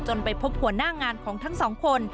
ไปพบหัวหน้างานของทั้งสองคน